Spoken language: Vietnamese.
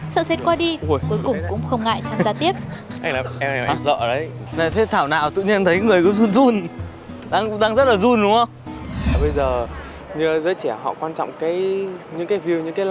sợ xếp qua đi cuối cùng cũng không ngại tham gia tiếp